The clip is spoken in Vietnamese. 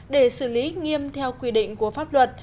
để xử lý nghiêm theo quy định của pháp luật